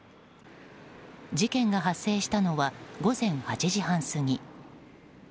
事件が発生したのは午前８時半過ぎ。